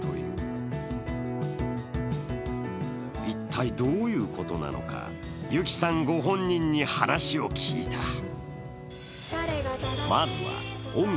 一体どういうことなのか湯木さんご本人に話を聞いた。